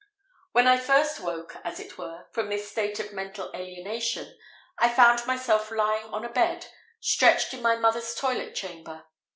When I first woke, as it were, from this state of mental alienation, I found myself lying on a bed, stretched in my mother's toilet chamber.